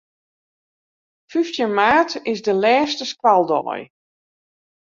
Fyftjin maart is de lêste skoaldei.